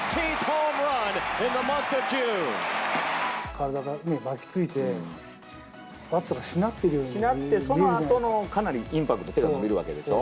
体が巻きついて、バットがししなってそのあとのかなりインパクト、手が伸びるわけでしょ。